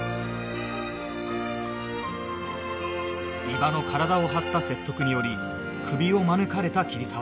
伊庭の体を張った説得によりクビを免れた桐沢